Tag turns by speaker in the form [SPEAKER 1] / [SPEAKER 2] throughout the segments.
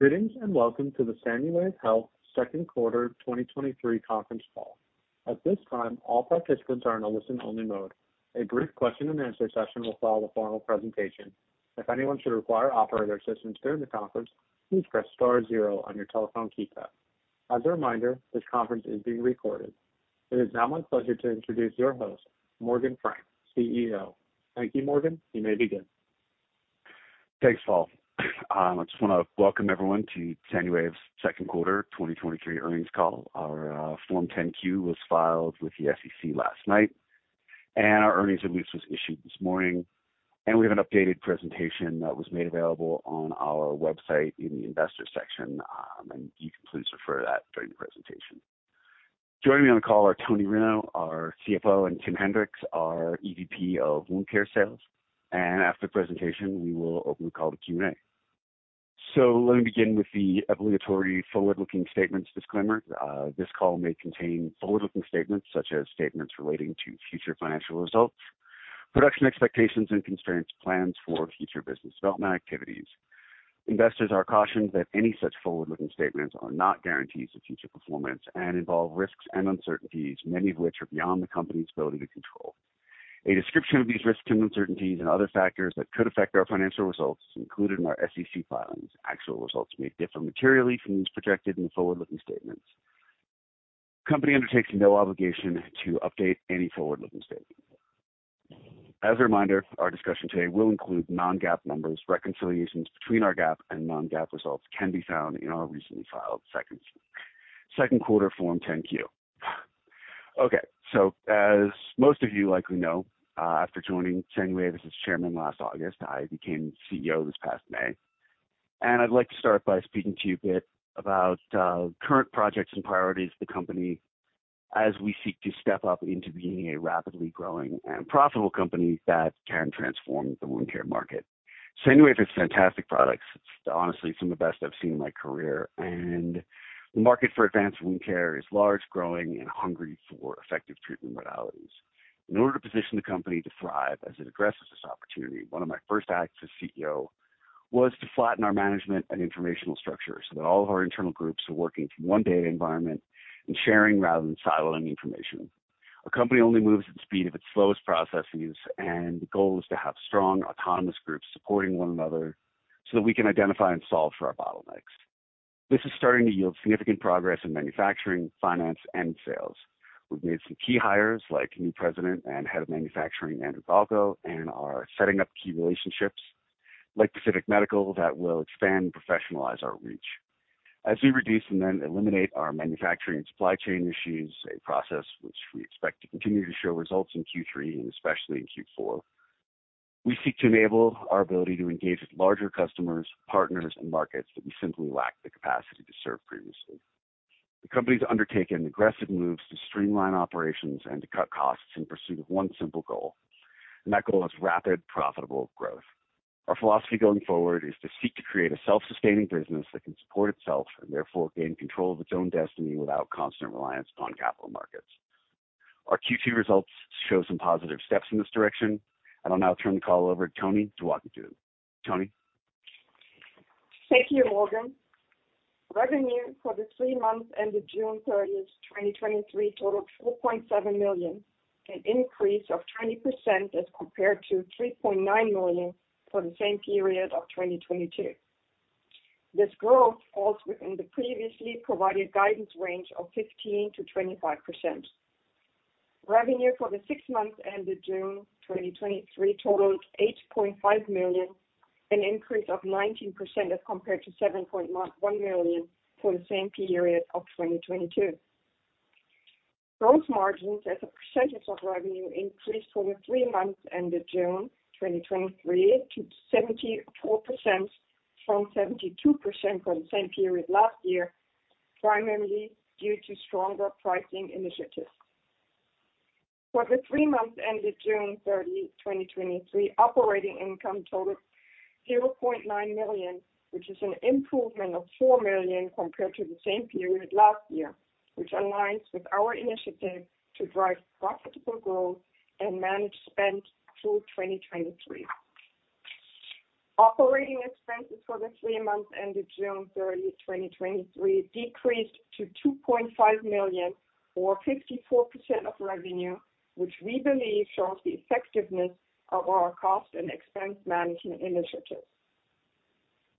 [SPEAKER 1] Greetings, welcome to the SANUWAVE Health second quarter 2023 conference call. At this time, all participants are in a listen-only mode. A brief question and answer session will follow the formal presentation. If anyone should require operator assistance during the conference, please press star zero on your telephone keypad. As a reminder, this conference is being recorded. It is now my pleasure to introduce your host, Morgan Frank, CEO. Thank you, Morgan. You may begin.
[SPEAKER 2] Thanks, Paul. I just want to welcome everyone to SANUWAVE's Q2 2023 earnings call. Our Form 10-Q was filed with the SEC last night, and our earnings release was issued this morning, and we have an updated presentation that was made available on our website in the investors section. You can please refer to that during the presentation. Joining me on the call are Toni Reno, our CFO, and Tim Hendricks, our EVP of Wound Care Sales, and after the presentation, we will open the call to Q&A. Let me begin with the obligatory forward-looking statements disclaimer. This call may contain forward-looking statements, such as statements relating to future financial results, production expectations and constraints, plans for future business development activities. Investors are cautioned that any such forward-looking statements are not guarantees of future performance and involve risks and uncertainties, many of which are beyond the company's ability to control. A description of these risks and uncertainties and other factors that could affect our financial results is included in our SEC filings. Actual results may differ materially from those projected in forward-looking statements. The company undertakes no obligation to update any forward-looking statements. As a reminder, our discussion today will include non-GAAP numbers. Reconciliations between our GAAP and non-GAAP results can be found in our recently filed second quarter Form 10-Q. As most of you likely know, after joining SANUWAVE Health as chairman last August, I became CEO this past May. I'd like to start by speaking to you a bit about current projects and priorities of the company as we seek to step up into being a rapidly growing and profitable company that can transform the wound care market. SANUWAVE has fantastic products. It's honestly some of the best I've seen in my career, and the market for advanced wound care is large, growing, and hungry for effective treatment modalities. In order to position the company to thrive as it addresses this opportunity, one of my first acts as CEO was to flatten our management and informational structure so that all of our internal groups are working from one data environment and sharing rather than siloing information. A company only moves at the speed of its slowest processes, and the goal is to have strong, autonomous groups supporting one another, so that we can identify and solve for our bottlenecks. This is starting to yield significant progress in manufacturing, finance, and sales. We've made some key hires, like new President and Head of Manufacturing, Andrew Varga, and are setting up key relationships like Pacific Medical that will expand and professionalize our reach. As we reduce and then eliminate our manufacturing and supply chain issues, a process which we expect to continue to show results in Q3 and especially in Q4, we seek to enable our ability to engage with larger customers, partners and markets that we simply lacked the capacity to serve previously. The company's undertaken aggressive moves to streamline operations and to cut costs in pursuit of one simple goal, and that goal is rapid, profitable growth. Our philosophy going forward is to seek to create a self-sustaining business that can support itself and therefore gain control of its own destiny without constant reliance upon capital markets. Our Q2 results show some positive steps in this direction, and I'll now turn the call over to Toni to walk you through them. Toni?
[SPEAKER 3] Thank you, Morgan. Revenue for the three months ended June 30, 2023, totaled $4.7 million, an increase of 20% as compared to $3.9 million for the same period of 2022. This growth falls within the previously provided guidance range of 15%-25%. Revenue for the six months ended June 2023 totaled $8.5 million, an increase of 19% as compared to $7.1 million for the same period of 2022. Gross margins as a percentage of revenue increased for the three months ended June 2023 to 74% from 72% for the same period last year, primarily due to stronger pricing initiatives. For the three months ended June 30, 2023, operating income totaled $0.9 million, which is an improvement of $4 million compared to the same period last year, which aligns with our initiative to drive profitable growth and manage spend through 2023. Operating expenses for the three months ended June 30, 2023, decreased to $2.5 million or 54% of revenue, which we believe shows the effectiveness of our cost and expense management initiatives.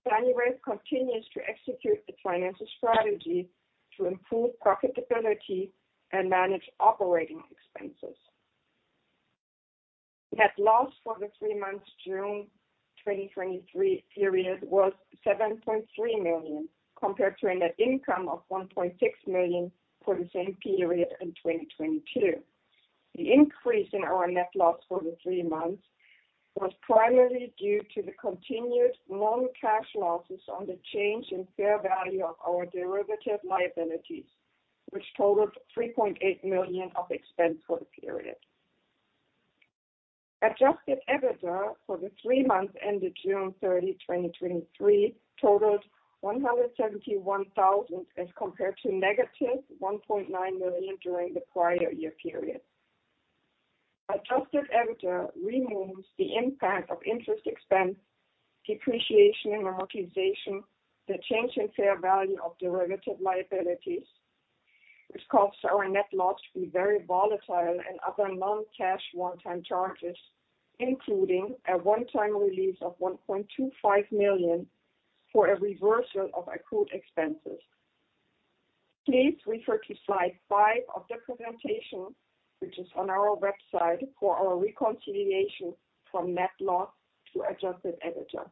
[SPEAKER 3] SANUWAVE continues to execute the financial strategy to improve profitability and manage operating expenses. Net loss for the three months June 2023 period was $7.3 million, compared to a net income of $1.6 million for the same period in 2022. The increase in our net loss for the three months was primarily due to the continued non-cash losses on the change in fair value of our derivative liabilities, which totaled $3.8 million of expense for the period. Adjusted EBITDA for the three months ended June 30, 2023, totaled $171,000, as compared to -$1.9 million during the prior year period. Adjusted EBITDA removes the impact of interest expense, depreciation, and amortization, the change in fair value of derivative liabilities, which caused our net loss to be very volatile and other non-cash one-time charges, including a one-time release of $1.25 million for a reversal of accrued expenses. Please refer to Slide 5 of the presentation, which is on our website, for our reconciliation from net loss to Adjusted EBITDA.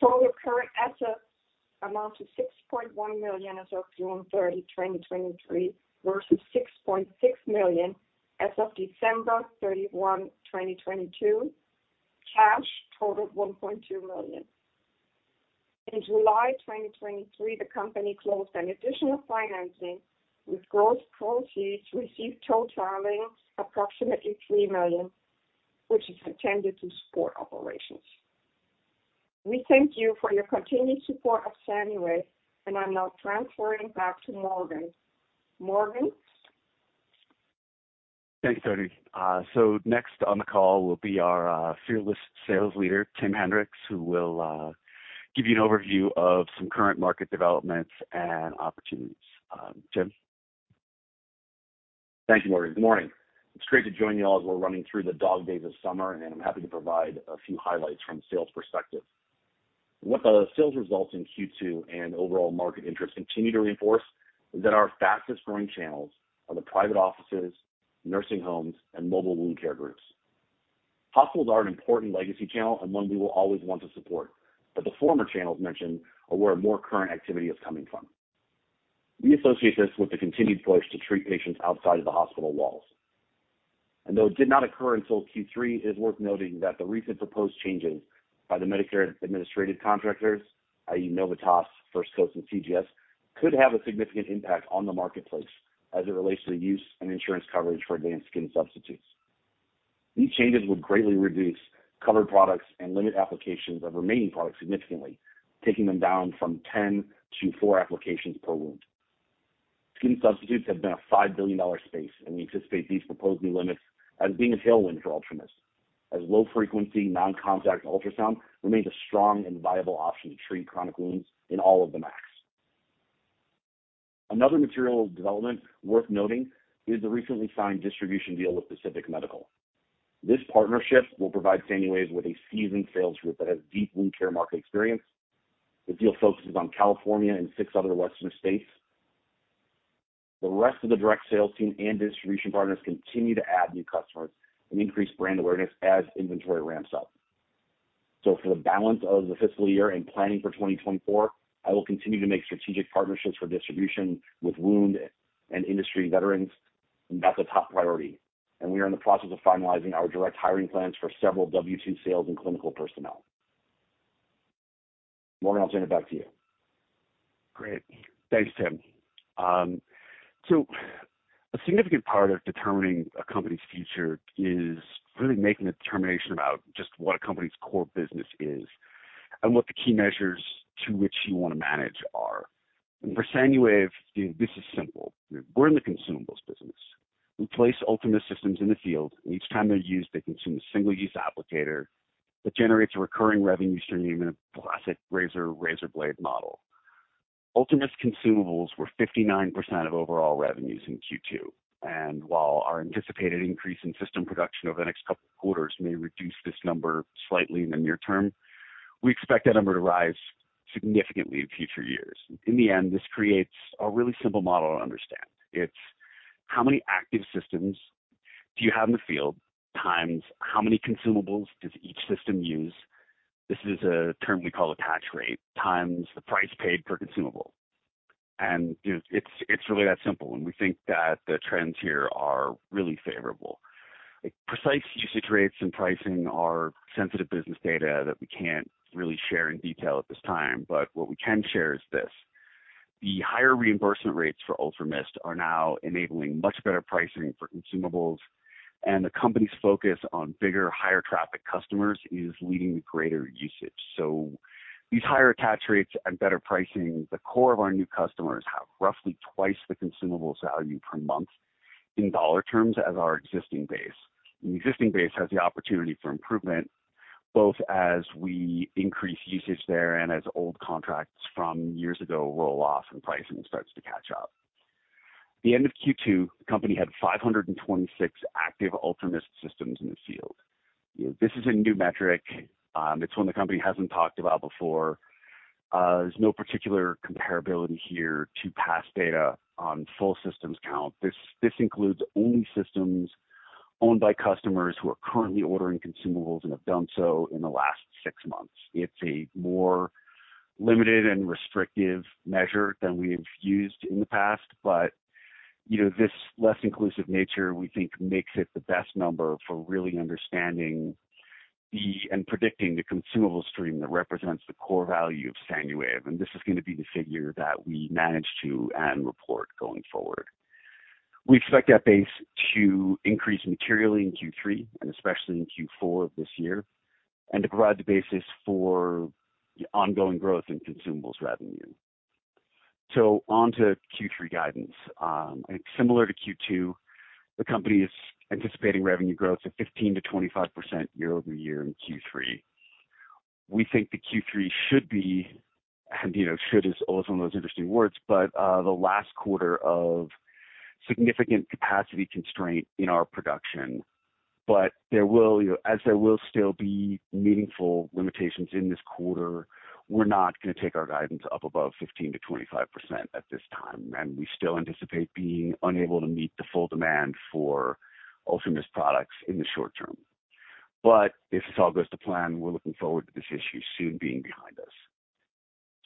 [SPEAKER 3] Total current assets amount to $6.1 million as of June 30, 2023, versus $6.6 million as of December 31, 2022. Cash totaled $1.2 million. In July 2023, the company closed an additional financing, with gross proceeds received totaling approximately $3 million, which is intended to support operations. We thank you for your continued support of SANUWAVE, and I'm now transferring back to Morgan. Morgan?
[SPEAKER 2] Thanks, Toni. Next on the call will be our fearless sales leader, Tim Hendricks, who will give you an overview of some current market developments and opportunities. Tim?
[SPEAKER 4] Thank you, Morgan. Good morning. It's great to join you all as we're running through the dog days of summer, and I'm happy to provide a few highlights from a sales perspective. What the sales results in Q2 and overall market interest continue to reinforce is that our fastest growing channels are the private offices, nursing homes, and mobile wound care groups. Hospitals are an important legacy channel and one we will always want to support, but the former channels mentioned are where more current activity is coming from. We associate this with the continued push to treat patients outside of the hospital walls. Though it did not occur until Q3, it is worth noting that the recent proposed changes by the Medicare Administrative Contractors, i.e., Novitas, First Coast and CGS, could have a significant impact on the marketplace as it relates to the use and insurance coverage for advanced skin substitutes. These changes would greatly reduce covered products and limit applications of remaining products significantly, taking them down from 10 to 4 applications per wound. Skin substitutes have been a 5 billion-dollar space, we anticipate these proposed new limits as being a tailwind for UltraMIST, as low frequency, non-contact ultrasound remains a strong and viable option to treat chronic wounds in all of the MACs. Another material development worth noting is the recently signed distribution deal with Pacific Medical. This partnership will provide SANUWAVE with a seasoned sales group that has deep wound care market experience. The deal focuses on California and six other Western states. The rest of the direct sales team and distribution partners continue to add new customers and increase brand awareness as inventory ramps up. For the balance of the fiscal year and planning for 2024, I will continue to make strategic partnerships for distribution with wound and industry veterans, and that's a top priority. We are in the process of finalizing our direct hiring plans for several W-2 sales and clinical personnel. Morgan, I'll turn it back to you.
[SPEAKER 2] Great. Thanks, Tim. A significant part of determining a company's future is really making a determination about just what a company's core business is and what the key measures to which you want to manage are. For SANUWAVE, you know, this is simple. We're in the consumables business. We place UltraMIST systems in the field, and each time they're used, they consume a single-use applicator that generates a recurring revenue stream in a classic razor-razor blade model. UltraMIST consumables were 59% of overall revenues in Q2, and while our anticipated increase in system production over the next couple of quarters may reduce this number slightly in the near term, we expect that number to rise significantly in future years. In the end, this creates a really simple model to understand. It's how many active systems do you have in the field, times how many consumables does each system use? This is a term we call attach rate, times the price paid per consumable. You know, it's, it's really that simple, and we think that the trends here are really favorable. Precise usage rates and pricing are sensitive business data that we can't really share in detail at this time, but what we can share is this: the higher reimbursement rates for UltraMIST are now enabling much better pricing for consumables, and the company's focus on bigger, higher traffic customers is leading to greater usage. These higher attach rates and better pricing, the core of our new customers have roughly twice the consumables value per month in dollar terms as our existing base. The existing base has the opportunity for improvement, both as we increase usage there and as old contracts from years ago roll off and pricing starts to catch up. The end of Q2, the company had 526 active UltraMIST systems in the field. This is a new metric. It's one the company hasn't talked about before. There's no particular comparability here to past data on full systems count. This includes only systems owned by customers who are currently ordering consumables and have done so in the last 6 months. You know, this less inclusive nature, we think, makes it the best number for really understanding the... Predicting the consumable stream that represents the core value of SANUWAVE, and this is going to be the figure that we manage to and report going forward. We expect that base to increase materially in Q3 and especially in Q4 of this year, and to provide the basis for ongoing growth in consumables revenue. On to Q3 guidance. Similar to Q2, the company is anticipating revenue growth of 15%-25% year-over-year in Q3. We think the Q3 should be, and, you know, should is always one of those interesting words, but the last quarter of significant capacity constraint in our production. There will, you know, as there will still be meaningful limitations in this quarter, we're not going to take our guidance up above 15%-25% at this time, and we still anticipate being unable to meet the full demand for UltraMIST products in the short term. If this all goes to plan, we're looking forward to this issue soon being behind us.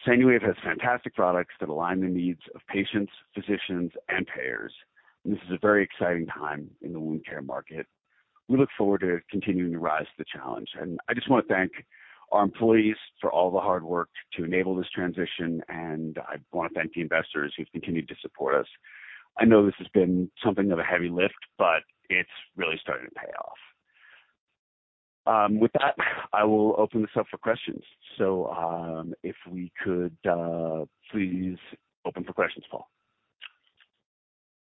[SPEAKER 2] SANUWAVE has fantastic products that align the needs of patients, physicians and payers. This is a very exciting time in the wound care market. We look forward to continuing to rise to the challenge, and I just want to thank our employees for all the hard work to enable this transition, and I want to thank the investors who've continued to support us. I know this has been something of a heavy lift, but it's really starting to pay off. With that, I will open this up for questions. If we could, please open for questions, Paul.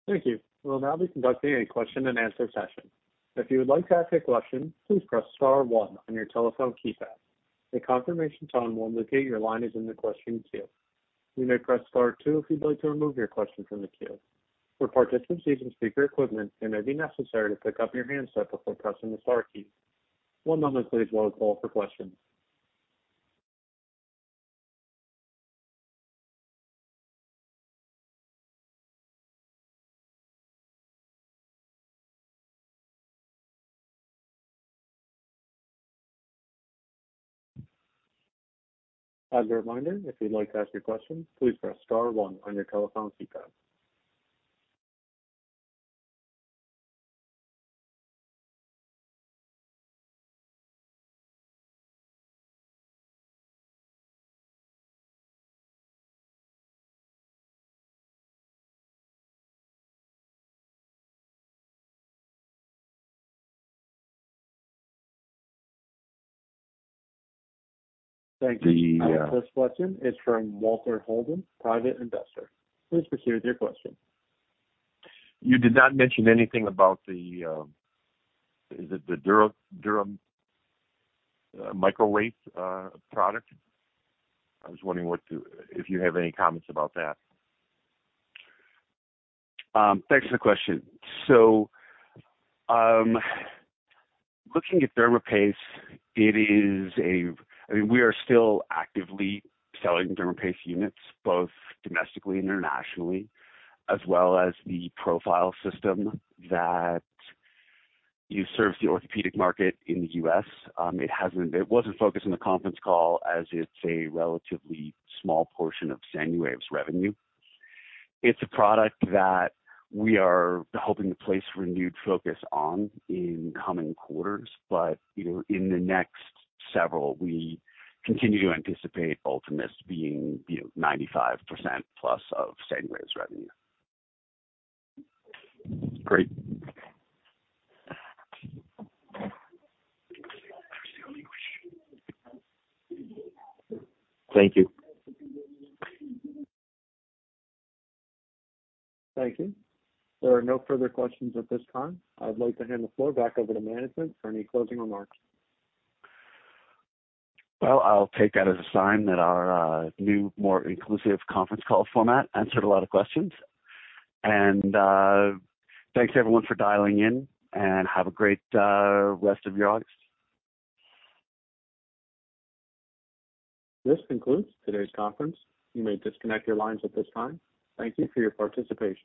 [SPEAKER 1] Thank you. We'll now be conducting a question-and-answer session. If you would like to ask a question, please press star one on your telephone keypad. A confirmation tone will indicate your line is in the question queue. You may press star two if you'd like to remove your question from the queue. For participants using speaker equipment, it may be necessary to pick up your handset before pressing the star key. One moment please, while I call for questions. As a reminder, if you'd like to ask your question, please press star one on your telephone keypad. Thank you.
[SPEAKER 2] The
[SPEAKER 1] First question is from Walter Holden, private investor. Please proceed with your question.
[SPEAKER 5] You did not mention anything about the, is it the dermaPACE product? If you have any comments about that.
[SPEAKER 2] Thanks for the question. Looking at dermaPACE, it is a -- I mean, we are still actively selling dermaPACE units, both domestically and internationally, as well as the profile system that you serves the orthopedic market in the US. It hasn't -- it wasn't focused on the conference call, as it's a relatively small portion of SANUWAVE's revenue. It's a product that we are hoping to place renewed focus on in coming quarters, but, you know, in the next several, we continue to anticipate UltraMIST being, you know, 95%+ of SANUWAVE's revenue. Great. Thank you.
[SPEAKER 1] Thank you. There are no further questions at this time. I'd like to hand the floor back over to management for any closing remarks.
[SPEAKER 2] Well, I'll take that as a sign that our new, more inclusive conference call format answered a lot of questions. Thanks, everyone, for dialing in, and have a great rest of your August.
[SPEAKER 1] This concludes today's conference. You may disconnect your lines at this time. Thank you for your participation.